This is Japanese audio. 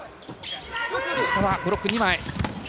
石川、ブロック２枚。